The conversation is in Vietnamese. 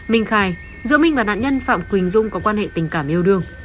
mình khai giữa mình và nạn nhân phạm quỳnh dung có quan hệ tình cảm yêu đương